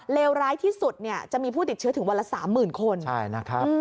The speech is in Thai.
เลวร้ายที่สุดจะมีผู้ติดเชื้อถึงวันละ๓๐๐๐๐คน